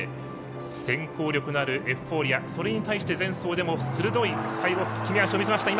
先行力のあるエフフォーリアそれに対する、前走でも鋭い脚を見せました。